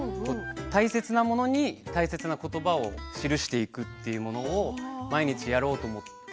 大切なものに大切なことばを記していくというのを毎日やろうと思って。